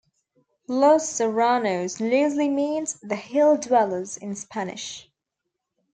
Los Serranos loosely means "the hill-dwellers" in Spanish.